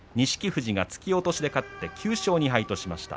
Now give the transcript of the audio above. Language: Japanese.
富士が突き落としで勝って９勝２敗としました。